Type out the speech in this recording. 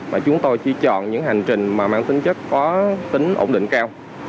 và chúng tôi chỉ chọn những hành trình mà mang tính chất có tính ổn định cao